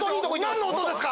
何の音？